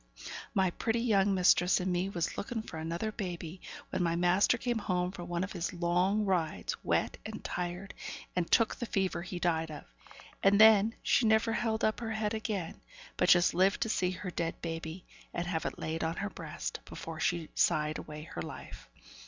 My pretty young mistress and me was looking for another baby, when my master came home from one of his long rides, wet and tired, and took the fever he died of; and then she never held up her head again, but just lived to see her dead baby, and have it laid on her breast, before she sighed away her life.